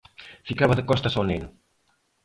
Ficaba de costas ao neno.